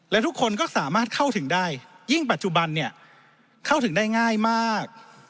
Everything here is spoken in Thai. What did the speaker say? และทุกคนก็สามารถเข้าถึงได้ยิ่งปัจจุบันเนี่ยเข้าถึงได้ง่ายมาก